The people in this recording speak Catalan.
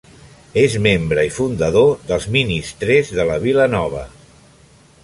És membre i fundador dels Ministrers de la Vila Nova.